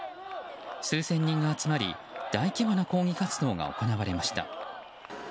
数千人が集まり大規模な抗議活動が行われました。